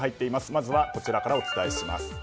まずは、こちらからお伝えします。